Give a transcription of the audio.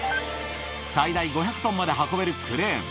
最大５００トンまで運べるクレーン。